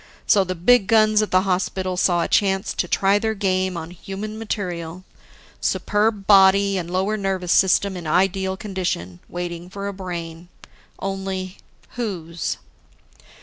So, the big guns at the hospital saw a chance to try their game on human material, superb body and lower nervous system in ideal condition, waiting for a brain. Only, whose?